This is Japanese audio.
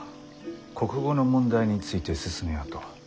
「国語の問題について進めよ」と。